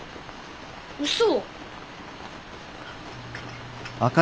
うそ！